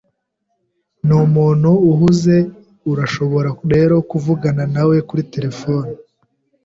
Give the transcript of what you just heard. Numuntu uhuze, urashobora rero kuvugana nawe kuri terefone.